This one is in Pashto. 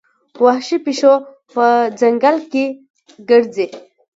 وحشي پیشو په ځنګل کې ګرځي.